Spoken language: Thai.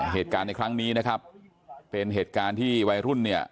เหตุการณ์ในครั้งนี้นะครับเป็นเหตุการณ์ที่วัยรุ่นเนี่ย